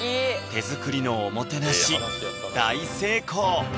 手作りのおもてなし大成功！